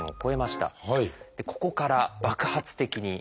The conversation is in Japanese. ここから爆発的に。